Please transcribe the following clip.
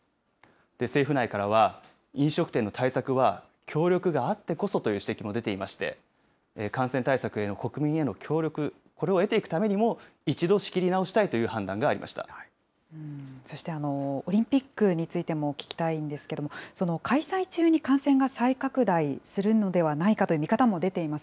政府内からは、飲食店の対策は協力があってこそという指摘も出ていまして、感染対策への国民への協力、これを得ていくためにも、一度仕切り直したいという判断がそしてオリンピックについても聞きたいんですけれども、開催中に感染が再拡大するのではないかという見方も出ています。